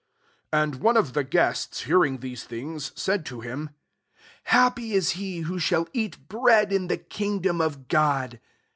15 And one of the guests, hearing these things, said to him, " Happy is he who sball eat bread in the kingdom of God."